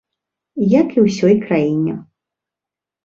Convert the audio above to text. Як і ўсёй краіне.